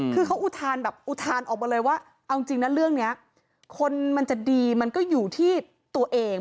คือเขาอุทานแบบอุทานออกมาเลยว่าเอาจริงนะเรื่องนี้คนมันจะดีมันก็อยู่ที่ตัวเอง